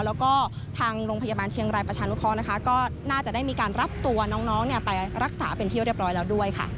แล้วก็ทางโรงพยาบาลเชียงรายประชานุเคราะห์นะคะก็น่าจะได้มีการรับตัวน้องไปรักษาเป็นที่เรียบร้อยแล้วด้วยค่ะ